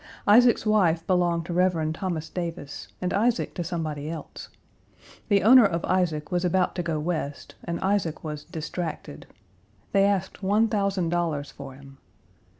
Isaac's wife belonged to Rev. Thomas Davis, and Isaac to somebody else. The owner of Isaac was about to go West, and Isaac was distracted. They asked one thousand dollars for him.